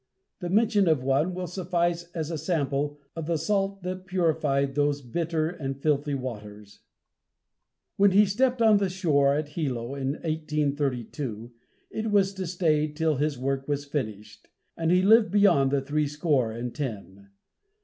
The mention of one will suffice as a sample of the salt that purified those bitter and filthy waters. When he stepped on shore at Hilo, in 1832, it was to stay till his work was finished and he lived beyond the three score and ten.